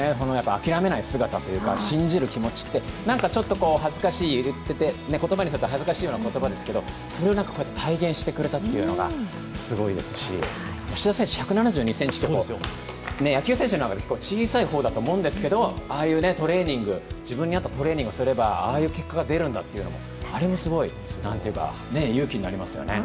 諦めない姿というか、信じる気持ちって、言葉にすると恥ずかしい言葉ですけどそれを体現してくれたというのがすごいですし、吉田選手１７２ｃｍと野球選手の中では小さい方だと思うんですけど、ああいうトレーニング、自分に合ったトレーニングをすればああいう結果が出るんだというのも、勇気になりますよね。